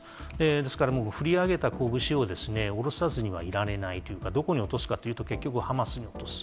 ですから、もう振り上げた拳を下ろさずにはいられないというか、どこに落とすかというと、結局ハマスに落とす。